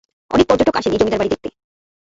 অনেক পর্যটক আসেন এই জমিদার বাড়ি দেখতে।